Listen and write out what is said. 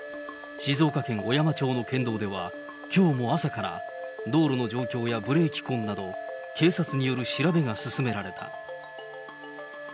静岡県小山町の県道では、きょうも朝から道路の状況やブレーキ痕など、警察による調べが進められた。